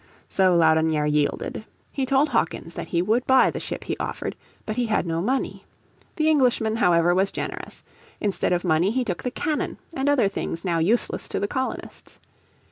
So Laudonnière yielded. He told Hawkins that he would buy the ship he offered, but he had no money. The Englishman, however, was generous. Instead of money he took the cannon and other things now useless to the colonists.